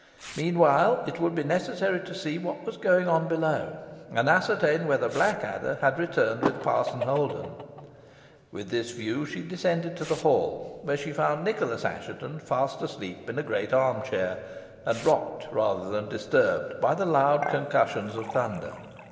Meanwhile, it would be necessary so see what was going on below, and ascertain whether Blackadder had returned with Parson Holden. With this view, she descended to the hall, where she found Nicholas Assheton fast asleep in a great arm chair, and rocked rather than disturbed by the loud concussions of thunder.